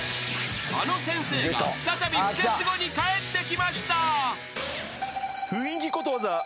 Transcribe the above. ［あの先生が再び『クセスゴ』に帰ってきました］